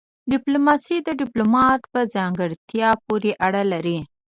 ډيپلوماسي د ډيپلومات په ځانګړتيا پوري اړه لري.